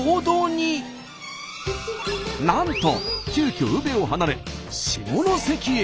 なんと急きょ宇部を離れ下関へ。